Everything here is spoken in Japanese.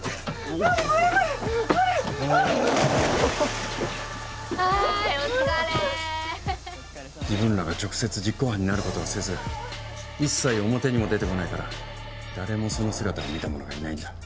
お疲れさま自分らが直接実行犯になることはせず一切表にも出てこないから誰もその姿を見た者がいないんだ